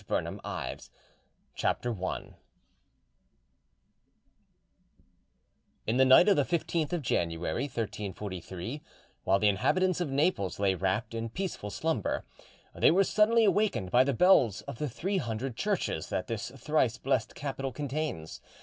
*JOAN OF NAPLES—1343 1382* CHAPTER I In the night of the 15th of January 1343, while the inhabitants of Naples lay wrapped in peaceful slumber, they were suddenly awakened by the bells of the three hundred churches that this thrice blessed capital contains.